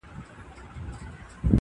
لکه پاتا ته وي راغلي پخوانۍ سندري-